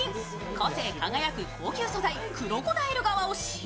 個性輝く高級素材クロコダイル革を使用。